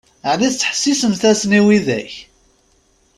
Ɛni tettḥessisemt-asen i widak?